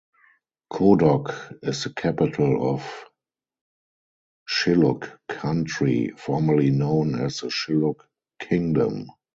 Kodok is the capital of Shilluk country, formally known as the Shilluk Kingdom.